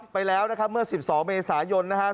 ไปแล้วนะครับเมื่อ๑๒เมษายนนะครับ